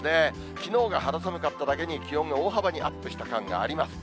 きのうが肌寒かっただけに、気温が大幅にアップした感があります。